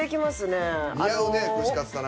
似合うね「串カツ田中」